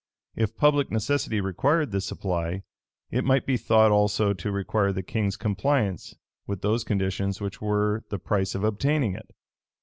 If public necessity required this supply, it might be thought also to require the king's compliance with those conditions which were the price of obtaining it.